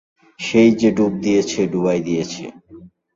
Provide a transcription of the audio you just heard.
সেই যে ডুব দিয়েছে, ডুবাই দিয়েছে।